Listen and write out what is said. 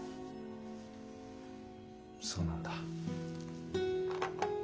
そうなんだ。